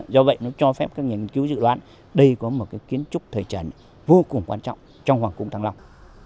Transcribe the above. do vậy nó cho phép các nghiên cứu dự đoán đây có một cái kiến trúc thời trần vô cùng quan trọng trong hoàng cung thang long